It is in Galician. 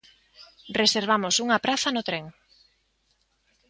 Reservamos unha praza no tren.